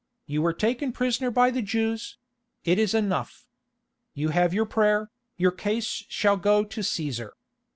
You were taken prisoner by the Jews—it is enough. You have your prayer, your case shall go to Cæsar.